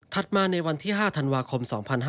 มาในวันที่๕ธันวาคม๒๕๕๙